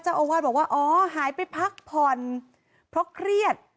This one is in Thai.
เจ้าอาวาสบอกว่าอ๋อหายไปพักผ่อนเพราะเครียด